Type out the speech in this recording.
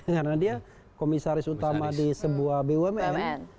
karena dia komisaris utama di sebuah bumn